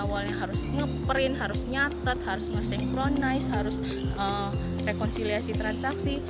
awalnya harus nge print harus nyatet harus nge synchronize harus rekonsiliasi transaksi